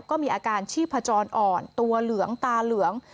ก็มีอาการชีพจรอ่อนตัวเหลืองตาเหลือง